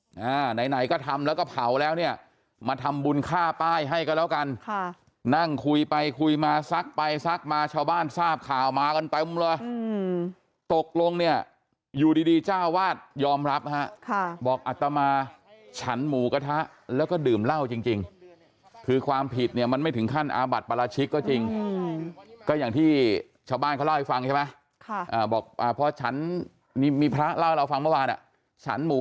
ไหนก็ทำแล้วก็เผาแล้วเนี่ยมาทำบุญค่าป้ายให้กันแล้วกันค่ะนั่งคุยไปคุยมาซักไปซักมาชาวบ้านทราบข่าวมากันเต็มแล้วตกลงเนี่ยอยู่ดีเจ้าวาดยอมรับค่ะบอกอัตมาฉันหมูกระทะแล้วก็ดื่มเหล้าจริงคือความผิดเนี่ยมันไม่ถึงขั้นอาบัตรปราชิกก็จริงก็อย่างที่ชาวบ้านเขาเล่าให้ฟังใช่ไหมค่ะบอก